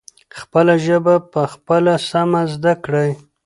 خپله ژبه پخپله سمه زدکړئ.